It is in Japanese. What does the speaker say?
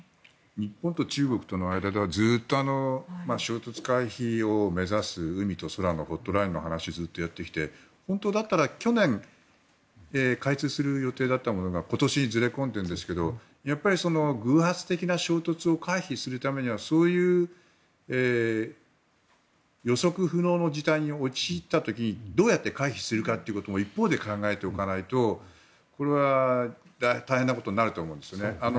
日本と中国との間ではずっと衝突回避を目指す海と空のホットラインの話をずっとやってきて本当だったら去年開通する予定だったものが今年にずれ込んでいるんですけどやっぱり、偶発的な衝突を回避するためにはそういう予測不能の事態に陥った時にどうやって回避するかということも一方で考えておかないと大変なことになると思うんですよね。